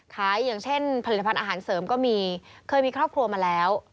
อย่างเช่นผลิตภัณฑ์อาหารเสริมก็มีเคยมีครอบครัวมาแล้ว